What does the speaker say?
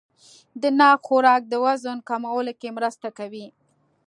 د ناک خوراک د وزن کمولو کې مرسته کوي.